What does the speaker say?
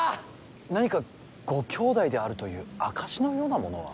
何かご兄弟であるという証しのようなものは。